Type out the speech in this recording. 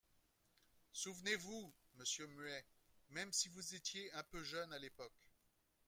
Souvenez-vous, monsieur Muet, même si vous étiez un peu jeune, à l’époque.